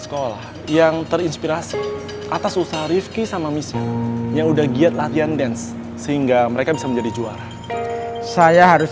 kenapa pakai proyektor segala ya